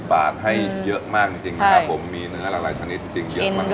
๑๒๐บาทให้เยอะมากจริงผมมีเนื้อหลายชนิดจริงเยอะมาก